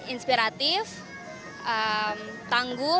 inspiratif tangguh cantik